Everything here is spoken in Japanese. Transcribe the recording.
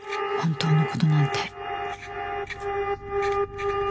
本当のことなんて。